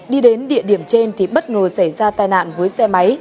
đi đến địa điểm trên thì bất ngờ xảy ra tai nạn với xe máy